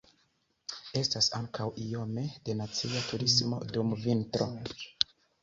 Estas ankaŭ iome da nacia turismo dum vintro.